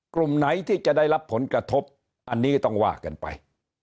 กลุ่มไหนที่จะได้รับผลกระทบอันนี้ต้องว่ากันไป